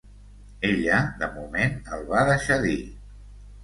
Ella de moment el va deixar dir